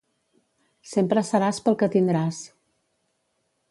Sempre seràs pel que tindràs.